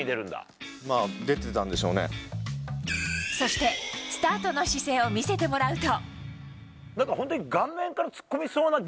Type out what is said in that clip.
そして、スタートの姿勢を見せてもらうと。